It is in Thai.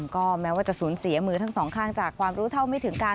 ก็แม้ว่าจะสูญเสียมือทั้งสองข้างจากความรู้เท่าไม่ถึงการ